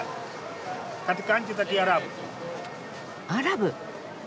アラブ。